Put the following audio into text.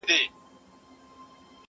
• د حج پچه کي هم نوم د خان را ووت ,